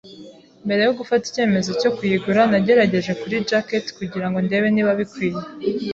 Mbere yo gufata icyemezo cyo kuyigura, nagerageje kuri jacket kugirango ndebe niba bikwiye.